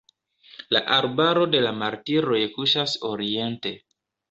La arbaro de la martiroj kuŝas oriente.